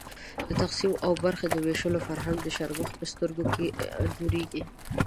د تقسیم او برخې د وېشلو فرهنګ د شرمښ په سترګو کې انځورېږي.